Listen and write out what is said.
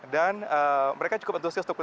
dan mereka cukup entusiastuk